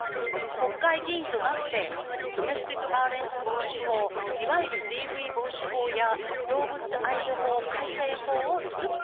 国会議員となって、ドメスティックバイオレンス防止法、いわゆるＤＶ防止法や動物愛護法改正法をつくってきました。